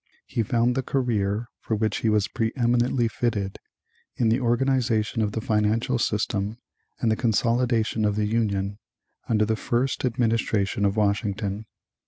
He found the career for which he was preëminently fitted in the organization of the financial system and the consolidation of the Union, under the first administration of Washington.